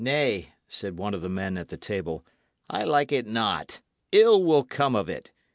"Nay," said one of the men at the table, "I like it not. Ill will come of it.